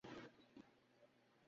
তাহলে তুমি আত্মহত্যা করনি!